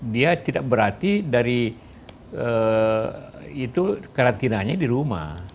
dia tidak berarti dari itu karantinanya di rumah